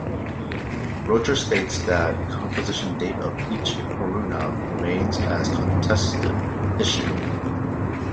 Rocher states that the compositions date of each Purana remains a contested issue.